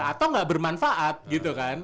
atau nggak bermanfaat gitu kan